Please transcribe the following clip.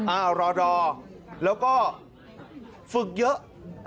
รอแล้วก็ฝึกเยอะ